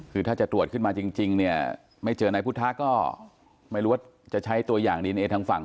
คือถ้าจะตรวจขึ้นมาจริงเนี่ยไม่เจอนายพุทธะก็ไม่รู้ว่าจะใช้ตัวอย่างดีเอนเอทางฝั่ง